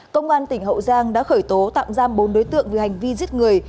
công an tỉnh hậu giang đã khởi tố tạm giam bốn đối tượng về hành vi giết người